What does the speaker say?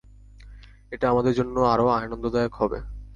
এটা আমাদের জন্য আরো আনন্দদায়ক হবে।